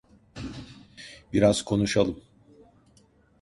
Biraz konuşalım.